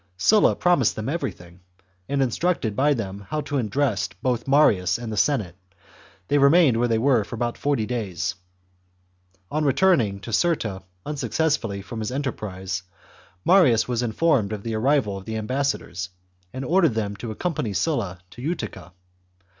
Sulla promised them everything, and, instructed by him how to address both Marius .and the Senate, they remained where they were for about forty days. On returning to Cirta, unsuccessful from his enter chap. prise, Marius was informed of the arrival of the .ambassadors, and ordered them to accompany Sulla to Utica.